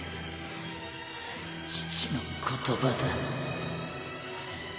父の言葉だ。